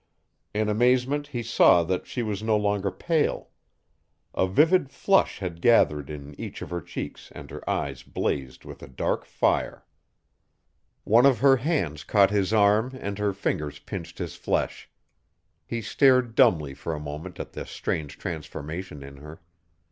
In amazement he saw that she was no longer pale. A vivid flush had gathered in each of her cheeks and her eyes blazed with a dark fire. One of her hands caught his arm and her fingers pinched his flesh. He stared dumbly for a moment at the strange transformation in her.